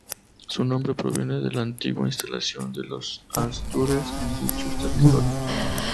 Su nombre proviene de la antigua instalación de los astures en dichos territorios.